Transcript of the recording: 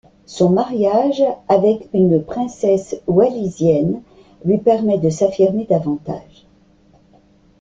Son mariage avec une princesse wallisienne lui permet de s'affirmer davantage.